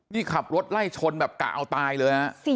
นี่ขับรถไล่ชนแบบกะเอาตายเลยฮะ